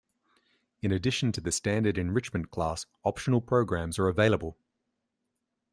In addition to the standard enrichment class, optional programs are available.